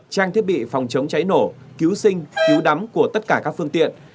trang thiết bị phòng chống cháy nổ cứu sinh cứu đắm của tất cả các phương tiện